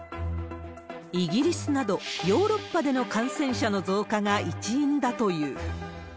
イギリスなど、ヨーロッパでの感染者の増加が一因だという。